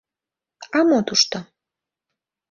— А мо тушто?